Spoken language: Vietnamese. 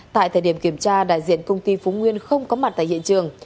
tại thời điểm kiểm tra đại diện công ty phú nguyên không có mặt tại hiện trường